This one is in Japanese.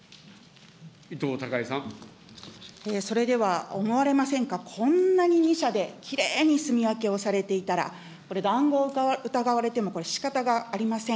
それでは思われませんか、こんなに２社で、きれいに住み分けをされていたら、これ、談合疑われてもこれ、しかたがありません。